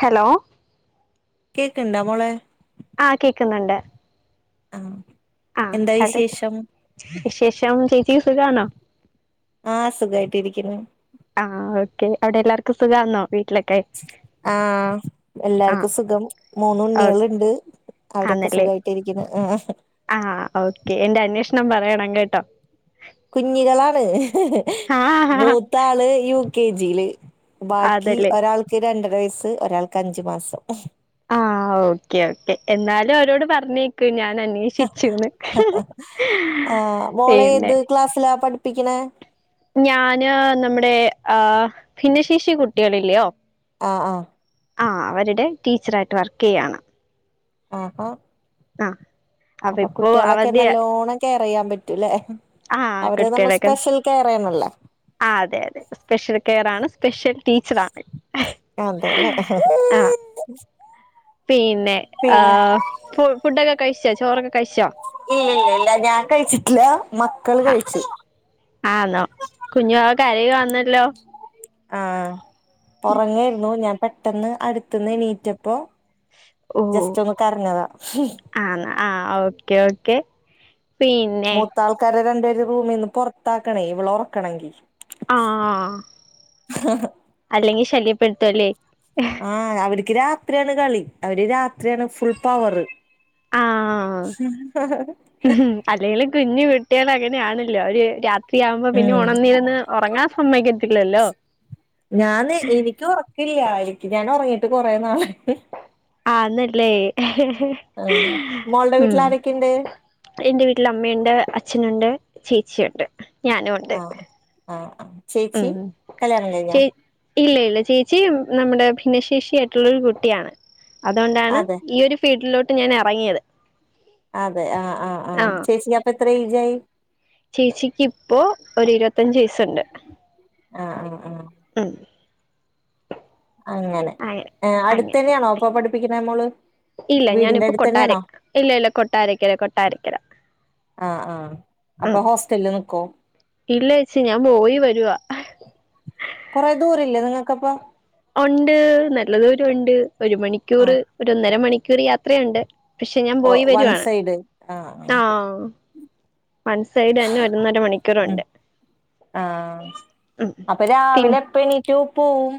Hello cake ഇണ്ടാ മോളെ ആഹ് കേക്ക്ന്ന്ണ്ട് അഹ് ആഹ് അത് വിശേഷം ചേച്ചിക്ക് സുഖണോ ആഹ് സുഖയിട്ട് ഇരിക്ക്ന്ന് ആഹ് ഓക്കെ അവിടെ എല്ലാവർക്കും സുഖന്നോ വീട്ടിലൊക്കെ ആഹ് ആ എല്ലാർക്കും സുഖം മൂന്ന് ഓ ഉണ്ണിള്ണ്ട് അവരൊക്കെ സുഖയി ട്ട് ഇരിക്ക്ന്ന് ആഹ് ഓക്കെ എന്റെ അന്വേഷണം പറയണം കേട്ടോ കുഞ്ഞികളാണ് ആ മൂത്താള് യു കെ ജിയില് ബാക്കി അതല്ലേ ഒരാൾക്ക് രണ്ടര വയസ്സ് ഒരാൾക്ക് അഞ്ച് മാസം ആഹ് ഓക്കേ ഓക്കേ എന്നാലും അവരോട് പറഞ്ഞേ ക്ക് ഞാൻ അന്വേഷിച്ചുന്ന് ആഹ് മോളെ പിന്നെ ഏത് ക്ലാസ്സില പഠിപ്പിക്കണ ഞാന് നമ്മുടെ ആഹ് ഭിന്നശേഷി കുട്ടികളില്ലയോ ആഹ് ആഹ് ആഹ് അവരുടെ ടീച്ചറായിട്ട് വർക്ക് ചെയ്യുകയാണ് ആഹോ അപ്പൊ ഇപ്പോ കുട്ടികളൊക്കെ അവധി നല്ലൊനെ കെയർ ചെയ്യാൻ പറ്റൂല്ലെ ആ അവരെ നമ്മൾ സ്പെഷ്യൽ കെയർ ചെയ്യണല്ലോ ആഹ് അതെ അതെ സ്പെഷ്യൽ കെയർ ആണ് സ്പെഷ്യൽ ടീച്ചറാണ്. അതെല്ലേ ആ പിന്നെ ഫ ഫുഡൊക്കെ കഴിച്ചോ ചോറൊക്കെ കഴിച്ചോ? ഇല്ലല്ല ഇല്ല ഞാൻ കഴിച്ചിട്ടില്ല മക്കള് ആ കഴിച്ചു ആന്നോ കുഞ്ഞുവാവ കരായുകന്നല്ലോ ആഹ് ഓറേങ്ങായിരുന്നു ഞാൻ പെട്ടന്ന് അടുത്തന്ന് എണീറ്റപ്പോ ജസ്റ്റ് ഒന്ന് കരഞ്ഞതാ ആന്നോ ആഹ് ഓക്കെ ഓക്കെ പിന്നെ ത്ത ആൾക്കാരെ രണ്ടുപേരെ റൂമിൽ നിന്ന് പുറത്താക്കണേ ഇവളെ ഉറക്കണെങ്കിൽ ആ ആഹ അല്ലെങ്കിൽ ശല്യപ്പെടുത്തും അല്ലേ ആഹ് അവർക്ക് രാത്രിയാണ് കളി അവര് രാത്രിയാണ് ഫുൾ പവറ് ഉ ഉ അല്ലെങ്കിലും കുഞ്ഞ് കുട്ടിയൾ അങ്ങനെ ആണല്ലോ അവര് രാ ത്രി ആവുമ്പോ പിന്നെ ഉം ഉണർനിരന്ന് ഉറങ്ങാൻ സമ്മതിക്കത്തില്ലല്ലോ ഇല്ലായിരിക്ക് ഞാൻ ഉറങ്ങിയിട്ട് കുറേ നാളായി ആന്നല്ലേ ആ മോളുടെ വീട്ടിൽ ഉം ആരൊക്കെയുണ്ട്? എന്റെ വീട്ടില് അമ്മയുണ്ട് അച്ഛനുണ്ട് ചേച്ചിയുണ്ട് ഞാനും ഉണ്ട് ആഹ് ആഹ് ചേച്ചി ഉം കല്യാണം കഴിഞ്ഞോ? ചേ ഇല്ല ഇല്ല ചേച്ചിയ നമ്മുടെ ഭിന്നശേഷി ആയിട്ടുള്ളൊരു കുട്ടിയാണ് അതുകൊണ്ടാണ് അതെ ഈ ഒരു ഫീൽഡിലോട്ട് ഞാൻ ഇറങ്ങിയത് അതെ ആഹ് ആഹ് ആ ആഹ്, ചേച്ചിക്ക് അപ്പൊ എത്ര ഏജ് ആയി? ചേച്ചിക്ക് ഇപ്പോ ഒരു ഇരുപത്തഞ്ചു വയസ്സുണ്ട് ആഹ് ആഹ് ആഹ് ഉം അങ്ങനെ ഏ അടുത്ത തന്നെയാണോ അപ്പൊ പഠിപ്പിക്കണ മോള് ഇല്ല വീടിന്റെ ഞാനിപ്പോ കൊട്ടാര അടുത്തന്നെയാണോ ഇല്ല ഇല്ല കൊട്ടാരക്കര കൊട്ടാരക്കര ആഹ് ആഹ് അപ്പൊ ആഹ് ഹോസ്റ്റലില് നിക്കോ ഇല്ല ചേച്ചി ഞാൻ പോയി വരുവാ കൊറെ ദൂര ഇല്ലേ നിങ്ങൾക്കപ്പോ ഉണ്ട് നല്ല ദൂരം ഉണ്ട് ഒരു മണിക്കൂർ ഒര് ആഹ് ഒന്നര മണിക്കൂർ യാത്രയുണ്ട് പക്ഷെ ഞാൻ പോയി ഓഹ് വൺ വരുവാണ് സൈഡ് ആഹ് ആഹ് ആഹ് സൈഡ് തന്നെ ഒന്നര ഉം മണിക്കൂറുണ്ട് ആഹ് ഉം പിന്നെ റ്റൊ പോവും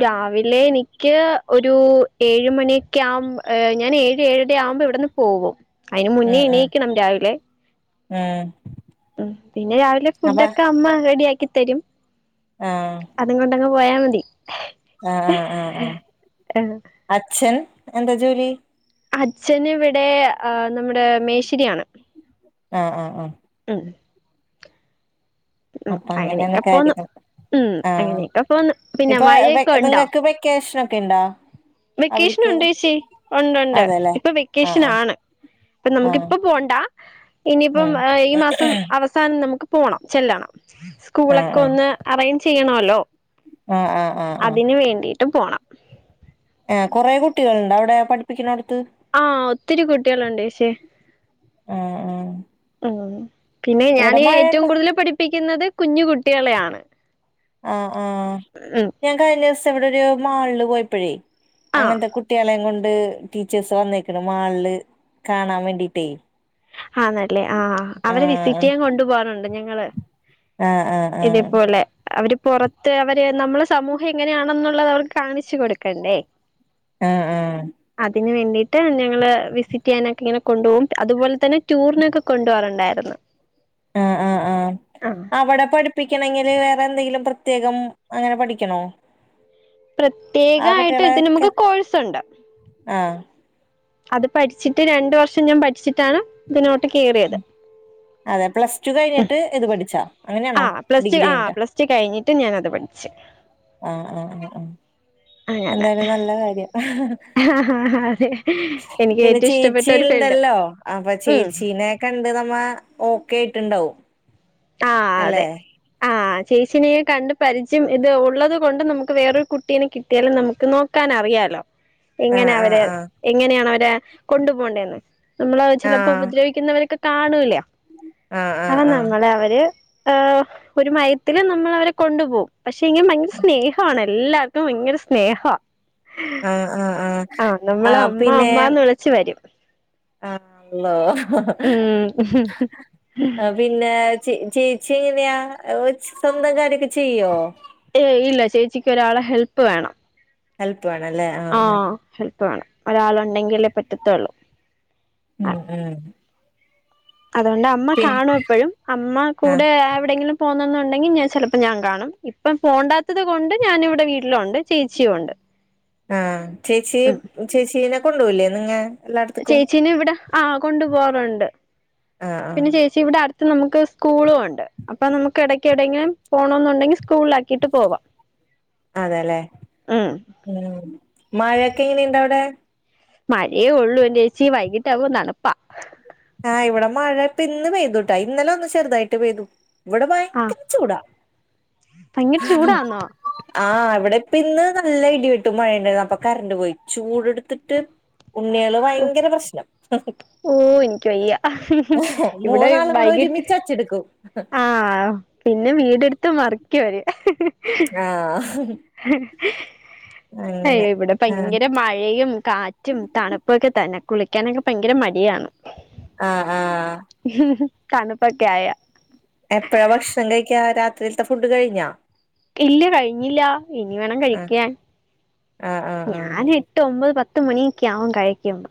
രാവിലെ എനിക്ക് ഒരു ഏഴ് മണിയൊക്കെ ആവുമ്പ ഞാൻ ഏഴ് ഏഴര ആവുമ്പോ ഇവിടുന്ന് പോകും അതിന് മുന്നേ എണീക്കണം രാവിലെ ആഹ് ഉം പിന്നെ രാവിലെ ഫുഡൊക്കെ അമ്മ റെഡിയാക്കി തരും ആഹ് അതുകൊണ്ടങ്ങ് പോയാ മതി ആഹ് ആഹ് ആഹ് ആഹ് അച്ഛൻ എന്താ ജോലി? അച്ഛന് ഇവിടെ നമ്മുടെ മേശിരിയാണ് ആഹ് ആഹ് ആഹ് ഉം ഉ അപ്പൊ അങ്ങനെയാണ് അങ്ങനെക്കെ പോന്ന് കാര്യങ്ങൾ ഉം ആഹ് അങ്ങനെയൊക്കെ പോന്ന് പിന്നെ ഇപ്പൊ വെ മഴയൊക്കെ ഉണ്ടോ? നിങ്ങക്ക് വെക്കേഷനൊക്കെ ഇണ്ടോ വെക്കേഷൻ അവര്ക്ക് ഉണ്ട് ചേച്ചി ഉണ്ടുണ്ട് അതെല്ലേ ഇപ്പൊ ആഹ് വെക്കേഷൻ ആഹ് ആണ് ഇപ്പൊ ആഹ് നമുക്കിപ്പ പോണ്ട ഉം ഇനിയിപ്പം ഈ മാസം അവ- സാനം നമുക്ക് പോണം ചെല്ലണം ആഹ് സ്കൂളൊക്കെ ആഹ് ഒന്ന് അറേഞ്ച് ചെയ്യണല്ലോ ആഹ് ആഹ് ആഹ് ആഹ് അതിന് വേണ്ടിട്ടും പോണം ഏഹ് കുറെേ കുട്ടികളുണ്ടോ? അവിടെ പഠിപ്പിക്കണ അടുത്ത് ആഹ് ഒത്തിരി കുട്ടികളുണ്ട് ചേച്ചേ ആഹ് ആഹ് ഉം പിന്നെ ഞാൻ ഇവിടെ ഏറ്റവും മഴയുണ്ടോ കൂടുതൽ പഠിപ്പിക്കുന്നത് കുഞ്ഞു കുട്ടികളെയാണ് ആഹ് ആഹ് ഉം ഞാൻ കഴിഞ്ഞ ദിവസം ഇവിടെ ഒരു മാളില് പോയപ്പോഴേ ആഹ് അങ്ങനത്തെ കു- ട്ടികളേം കൊണ്ട് ടീച്ചേഴ്സ് വന്നേക്കണ്‌ മാളില് കാണാൻ വേണ്ടീട്ടേ ആന്നല്ലേ ആഹ് അവരെ വിസിറ്റ് ആഹ് ചെയ്യാൻ കൊണ്ടു പോവാറുണ്ട് ഞങ്ങള് ആഹ് ആഹ് ആഹ് ആഹ് ഇതേപോലെ അവര് പുറത്ത് അവര് നമ്മളെ സമൂഹം എങ്ങനെയാണെന്നുള്ളത് അവർക്ക് കാണിച്ചു കൊടുക്കണ്ടേ ആഹ് ആഹ് അതിന് വേണ്ടിട്ട് ട്ട് ഞങ്ങള് വിസിറ്റ് ചെയ്യാനൊക്കെ ഇങ്ങനെ കൊണ്ടുപോകും അതുപോലെ തന്നെ ടൂറിനൊക്കെ കൊണ്ടു പോവാറുണ്ടായിരുന്നു ആഹ് ആഹ് ആഹ് അവിടെ പഠി- പ്പിക്കണമെങ്കില് വേറെ എന്തെങ്കിലും പ്രത്യേകം അങ്ങനെ പഠിക്കണോ? ആ പ്രത്യേകമായിട്ട് ഇതിന് കുട്ടികളെക്കെ നമുക്ക് കോഴ്സുണ്ട് ആഹ് അത് പഠിച്ചിട്ട് രണ്ട് വർഷം ഞാൻ പഠിച്ചിട്ടാണ് ഇങ്ങോട്ട് കയറിയത് അതെ പ്ലസ് ടു കഴിഞ്ഞിട്ട് ഇത് പഠിച്ചാ അങ്ങനെയാണോ ആഹ് പ്ലസ് ടു ഡിഗ്രി ആഹ് കഴിഞ്ഞിട്ടാ പ്ലസ് ടു കഴിഞ്ഞിട്ട് ഞാനത് പഠിച് ആഹ് ആഹ് ആഹ് എന്തായാലും നല്ല കാര്യം ആഹ് പിന്നെ ചേച്ചി യു ഫീൽഡ് ണ്ടല്ലോ അപ്പൊ ഉം ചേച്ചീനെ കണ്ട് നമ്മ ഓക്കെ ആയിട്ടുണ്ടാവും ആഹ് അതെ [inaudible] ആ ചേച്ചിനെയും കണ്ട് പരിചയം ഇത് ഉള്ളത് കൊണ്ട് നമുക്ക് വേറൊരു കുട്ടീനെ കിട്ടിയാലും നമുക്ക് നോക്കാനറിയാലോ [inaudible] എങ്ങനെ ആഹ് അവരെ എങ്ങനെയാണ് അവരെ കൊണ്ടു പോണ്ടതെന്ന് നമ്മള് ആഹ് ചിലപ്പോ ഉപദ്രവിക്കു ന്നവരൊക്കെ കാണൂലെ ആഹ് നമ്മളെ അവര് ഏഹ് ഒരു മയത്തി മയത്തിൽ നമ്മൾ അവരെ കൊണ്ടുപോകും പക്ഷെങ്കി ഭയങ്കര സ്നേഹണ് എല്ലാവർക്കും ഭയങ്കര സ്നേഹ ആഹ് ആഹ് ആഹ് ആഹ് നമ്മളെ ആഹ് അമ്മ അമ്മന്ന് വിളിച്ച് വരും അള്ളാഹ് ഉം ആഹ് പിന്നെ ചേ ചേച്ചി എങ്ങനെയാ [unintelligible] സ്വന്തം കാര്യൊക്കെ ചെയ്യോ ഏയ് ഇല്ല ചേച്ചിക്ക് ഒരാളെ ഹെൽപ്പ് വേണം ഹെൽപ്പ് വേണം അല്ലേ ആഹ് ആഹ് പ്പ് വേണം ഒരാൾ ഉണ്ടെങ്കിലേ പറ്റത്തുള്ളൂ ഉം ആ ഉം അതുകൊണ്ട് അമ്മ പിൻ കാണും എപ്പോഴും അമ്മ ആഹ് കൂടെ എവിടെങ്കിലും പോന്നന്നുണ്ടെങ്കിൽ ഞാൻ ചിലപ്പോം ഞാൻ കാണും ഇപ്പം പോണ്ടാത്തത് കൊണ്ട് ഞാൻ ഇവിടെ വീട്ടിലുണ്ട് ചേച്ചിയുമുണ്ട്. ആഹ് ചേച്ചി ചേച്ചീനെ കൊണ്ടുപോവില്ലേ നിങ്ങ എല്ലായിടത്തേക്കും ചേച്ചീന ഇവിടെ ആഹ് കൊണ്ടു പോവാറുണ്ട് ആഹ് ആഹ് പിന്നെ ചേച്ചി ഇവിടെ അടുത്ത് നമുക്ക് സ്കൂളും ഉണ്ട് അപ്പൊ നമുക്ക് ഇടയ്ക്കെടെങ്കിലും പോണം എന്നുണ്ടെങ്കിൽ സ്കൂളിലാക്കിയിട്ട് പോവാം അതെല്ലേ ഉം. ഉം മഴയൊക്കെ എങ്ങനെയുണ്ട് അവിടെ മഴേ ഒള്ളൂ എന്റെ ചേച്ചി വൈകിട്ടാവ് തണുപ്പാ ആഹ് ഇവിടെ മഴ ഇപ്പ. ഇന്ന് പെയ്തുട്ടാ ഇന്നലെ ഒന്ന് ചെറുതായിട്ട് പെയ്തു ഇവിടെ ആ ഭയങ്കരം ചൂടാ ഭയങ്കര ഹമ്മ്‌ ചൂടാന്നോ ആ ഇവിടെ ഇപ്പ ഇന്ന് നല്ല ഇടി വെട്ടും മഴയു ണ്ടന്ന് അപ്പൊ കറണ്ട് പോയി ചൂടെടുത്തിട്ട് ഉണ്ണി ആള് ഓ വയങ്കരം പ്രശ്നം ഓ എനിക്ക് വയ്യ ഇവിടെ വൈകിട്ട് ചെടുക്കും ആഹ് പിന്നെ വീടെടുത്ത് മറിക്കും അവര് ആഹ് അങ്ങനെ അയ്യോ ഇവിടെ ആഹ് ഭയങ്കര മഴയും കാറ്റ് കാറ്റും തണുപ്പൊക്കെ തന്നെ കുളിക്കാനൊക്കെ ഭയങ്കര മടിയാന്ന് ആഹ് ആഹ് തണുപ്പൊക്കെ ആയാ എപ്പഴാ ഭക്ഷണം കഴിക്കാ രാത്രിയിലത്തെ ഫുഡ് കഴിഞ്ഞോ ഇല്ല കഴിഞ്ഞില്ല ഇനി വേണം ആഹ് കഴിക്കാൻ ആഹ് ആഹ് ആഹ് ഞാന് എട്ട് എട്ട് ഒമ്പത് പത്ത് മണിഒക്കെആവും കഴിക്കു ബെ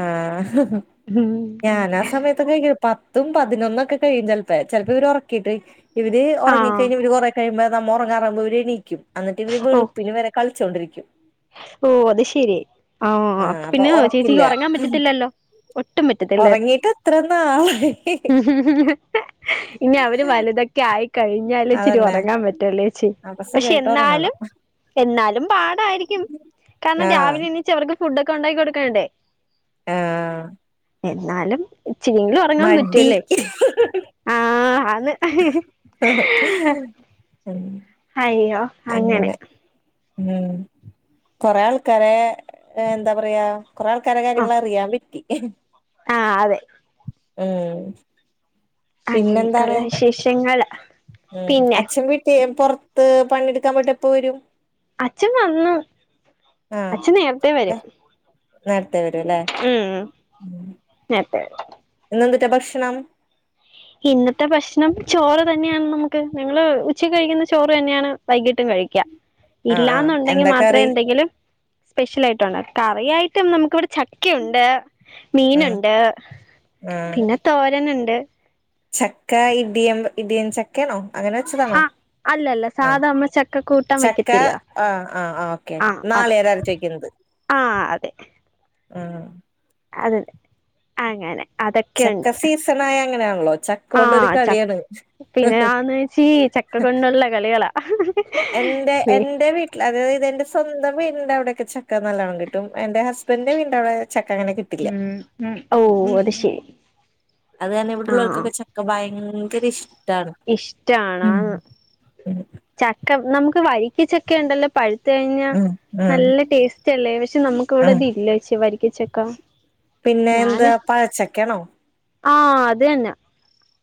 ആഹ് ഉം ഞാൻ ആ സമയത്തൊക്കെ കഴിക്കും പത്തും പതിനൊന്നും ഒക്കെ കഴിയും ചിലപ്പ ചിലപ്പോ ഇവർ ഉറക്കിയിട്ട് കഴി ഇവര് ആ ഉറങ്ങിക്കഴിഞ്ഞ ഇവര് കൊറ കഴിയുമ്പോ നമ്മ ഉറങ്ങാറുവുമ്പോ ഇവര് എണീക്കും എന്നിട്ട് ഇവര് ഓ വെളുപ്പിന് വരെ കളിച്ചോണ്ടിരിക്കും ഓ അത് ശെരി ആ അപ്പ ആഹ് അപ്പൊ പിന്നെ ചേച്ചിക്ക് ഒറക്കില്ല ഉറങ്ങാൻ പറ്റത്തില്ലല്ലോ ഒട്ടും പറ്റത്തില്ലേ ഒറങ്ങീട്ട് എത്ര നാളായി ഇനി അവര് വലുതൊക്കെ ക്യായി കഴിഞ്ഞാലേ ഇച്ചിരി അതന്നെ ഉറങ്ങാൻ പറ്റല്ലേച്ചി അപ്പൊ പക്ഷെ സുഖായിട്ട് ഒറങ്ങണം എന്നാലും എന്നാലും പാടായിരിക്കും കാരണം ആഹ് രാവിലെ എണീച്ച് അവർക്ക് ഫുഡൊക്കെ ഉണ്ടാക്കി കൊടുക്കണ്ടേ ആഹ് എന്നാലും ഇച്ചരിയെങ്കിലും ഒറങ്ങാൻ മടി പറ്റുല്ലേ ആഹ് ആന്ന് ഉം അങ്ങനെ ഉം കൊറെ ആൾക്കാരെ എന്താ പറയാ കൊറേ ആൾക്കാരെ കാര്യങ്ങൾ അറിയാൻ പറ്റി ആഹ് അതെ ഏഹ് പിന്നെന്താണ് അങ്ങനെയൊക്കെയുള്ള വിശേഷങ്ങള് ഉം പിന്നെ അച്ഛൻ വീട്ടിയെ പൊർ ത്ത് പണിയെടുക്കാൻ പോയിട്ട് എപ്പ വരും അച്ഛൻ വന്നു അച്ഛൻ നേറത്തെ വരും നേരത്തേ വരുലേ ഉം നേരത്തെ വരും ഇന്ന് എന്തു റ്റാ ഭക്ഷണം ഇന്നത്തെ ഭഷ്ണം ചോറ് തന്നെയാണ് നമുക്ക് ഞങ്ങള് ഉച്ച കഴിക്കുന്ന ചോറ് തന്നെയാണ് വൈകിട്ടും കഴിക്യ. ആഹ് ആഹ് ഇല്ലന്നുണ്ടെങ്കി എന്താ മാത്രേ കറി എന്തെങ്കിലും സ്പെഷ്യലായിട്ടുണ്ടാക്ക കറിയായിട്ടും നമുക്ക് ഇവിടെ ചക്കുയുണ്ട് ഉം മീന്ണ്ട് ആഹ് പിന്നെ തോരന് ഇണ്ട് ചക്ക ഇഡിയം ഇഡിയൻ ചക്കെണോ അങ്ങനെ വെച്ചതാണോ ആ അല്ലല്ല ആഹ് സാധാ നമ്മൾ ചക്ക കൂട്ടാൻ ചക്ക വെക്കത്തില്ല ആഹ് ആഹ് ഓക്കെ നാളികേരം അരച്ചോയ്ക്കുന്നത് ആഹ് അതെ ആഹ് അതല്ലെ അങ്ങനെ അതൊക്കെയുണ്ട് ചക്ക സീസണായ അങ്ങനെണല്ലോ ചക്കൊണ്ടൊരു കളിയാണ്. പിന്നെആന്ന് വെച്ചീ ചക്കകൊണ്ടുള്ള കളികളാ വി ക്ലവ് അതയത് എന്റെ സ്വന്തം വീടിന്റെ അവിടെയൊക്കെ ചക്ക നല്ലോണം കിട്ടും. എന്റെ ഹസ്ബന്റിന്റെ വീടിന്റെവിടെ ചക്ക അങ്ങനെ കി ഉം ഉ ഓഹ് അത് ശരി. അത് തന്നെ ആ ഇവിടെള്ളോൽക്കൊക്കെ ചക്ക ഭയങ്കര ഇഷ് ഇഷ്ടാണോന്ന്, ഉം ചക്ക നമുക്ക് വൈ ഈ ചക്കയിണ്ടല്ലോ പഴുത്ത് കഴിഞ്ഞാ ഉം ഉം നല്ല ടേസ്റ്റ്ല്ലേ. പക്ഷെ നമ്മക്ക്തിവിടെ ഉം ഇല്ലേച്ചിയെ വരിക്കച്ചക്ക. പിന്നെ എന്താ പഴച്ചക്കെണോ? ആഹ് അത്‌ തന്നെ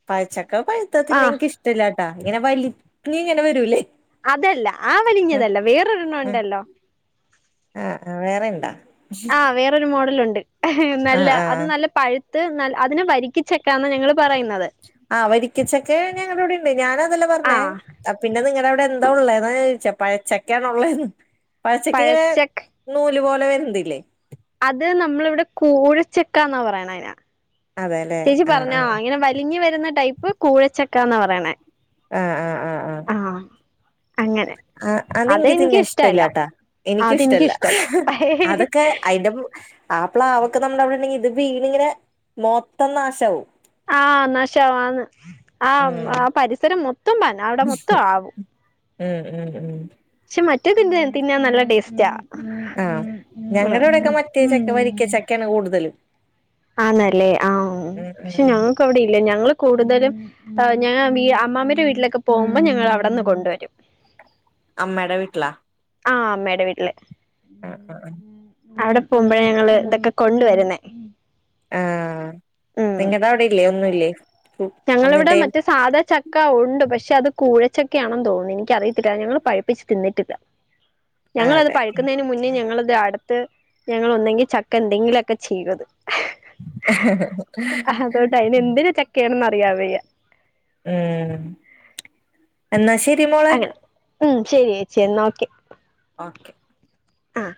പഴച്ചക്ക പഴുത്തത് ആ തിന്നാ ഇൻക് ഇഷ്ടല്ലാട്ടാ. ഇങ്ങനെ വലിഞ്ഞ്ങ്ങനെ വരൂല്ലേ. അതല്ല, ആ വലിഞ്ഞതല്ല വേറൊരെണ്ണം ആഹ് ഉണ്ടല്ലോ. ആഹ് ആ വേറെ ഇണ്ടാ? ആഹ് വേറൊരു മോഡലുണ്ട് നല്ല ആഹ് അത് ആഹ് നല്ല പഴു ത്ത് നൽ അതിനെ വരിക്കച്ചക്കാന്ന ഞങ്ങള് പറയുന്നത്. ആഹ് വരിക്കച്ചക്ക ഞങ്ങളിവിടെ ഇണ്ട്. ഞാനതെല്ല ആ പറഞ്ഞേ. അ പിന്നെ നിങ്ങടവിടെ എന്താ ഉള്ളെത് ചെ പഴച്ചക്കെണോ ഉള്ളെന്ന്. പഴച്ചക്കങ്ങനെ പഴച്ചക്ക നൂല് പോലെ വര്ന്തില്ലേ അത് നമ്മളിവിടെ കൂഴച്ചക്കാന്നാ പറയിണയിന്. അതെല്ലേ ചേച്ചി ആ ആ പറഞ്ഞാ ഇങ്ങനെ വലിഞ്ഞ് വരുന്ന ടൈപ്പ് കൂഴച്ചക്കാന്നാ പറയ്ണേ. ആഹ് ആഹ് ആഹ് അങ്ങനെ ആ, അതിൻക് അതെനിക്ക് തിന്നാൻ ഇഷ്ടല്ല ഇഷ്ടല്ലാട്ടാ. എനിക്കും ഇഷ്ടല്ല. അതെനിക്കിഷ്ടല്ല അതൊക്കെ അയിന്റെ പ്ലൂ ആ പ്ലാവൊക്കെ നമ്മളവിടെണ്ടെങ്കി ഇത് വീണ് ഇങ്ങനെ മൊത്തം നാശാവും. ആഹ് നാശാവും ആന്ന്. ആ ഉം ആ പരിസരം മൊത്തം പരന്ന് അവിടെ മൊത്തം ആവും. ഉം ഉം ഉം ക്ഷെ മറ്റേതിന്റെ തിന്നാൻ നല്ല ടേസ്റ്റാ. ആഹ്, ഞങ്ങടിവിടെക്കെ മറ്റേ ചക്ക വരിക്ക ഉം ചക്കേണ് കൂടുതലും. ആന്നല്ലേ ആഹ് ഉം ഉം പക്ഷെ ഉം ഞങ്ങൾക്ക് അവിടെയില്ല ഞങ്ങള് കൂടുതലും ഏഹ് ഞാൻ ബീ അമ്മാമന്റെ വീട്ടിലൊക്കെ പോകുമ്പം ഞങ്ങൾ അവിടെന്ന് കൊണ്ട് വരും. അമ്മയുടെ വീട്ടിലാ? ആഹ് അമ്മയുടെ വീട്ടില്. ആ ആ ആ അവിടെ പോകുമ്പോഴ ഞങ്ങള് ഇതൊക്കെ കൊണ്ടുവരുന്നേ. ആഹ്, ഉം നിങ്ങട അവിടെല്ലേ ഒന്നുല്ലേ? ഞങ്ങളിവിടെ ഒന്നിന്റെയും മറ്റേ സാധാച്ചക്ക ഉണ്ട് പക്ഷെ അത് കൂഴച്ചക്കയാണെന്ന് തോന്നുന്നു. എനിക്ക അറിയത്തില്ല ഞങ്ങള് പഴിപ്പിച്ച് തിന്നിട്ടില്ല. ആ ഞങ്ങളത് അതെ പഴുക്കുന്നതിന് മുന്നേ ഞങ്ങളത് അടുത്ത് ഞങ്ങൾ ഒന്നെങ്കി ചക്ക എന്തെങ്കിലൊക്കെ ചെയ്തത്. [unintelligible] അയിന് എന്തിര്ചക്കേണെന്ന് അറിയാവയ്യ. ഉം, എന്നാ ശരി മോളെ. അങ്ങനെ ഉം, ശരിയേച്ചിയെ എന്നാ ഓക്കെ. ഓക്കെ ആഹ്